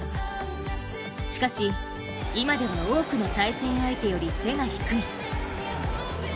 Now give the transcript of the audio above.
しかし、今では多くの対戦相手より背が低い。